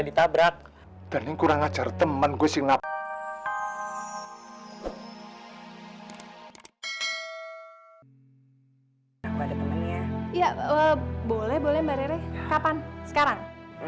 ditabrak dan kurang ajar teman gue singap aku ada temennya ya boleh boleh mbak rere kapan sekarang